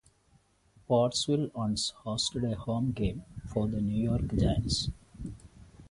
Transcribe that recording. Pottsville once hosted a home game for the New York Giants.